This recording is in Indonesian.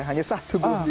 hanya satu belum dititik